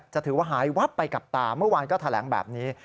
จะถือว่าหายวับไปกับตาเมื่อวานก็แถลงแบบนี้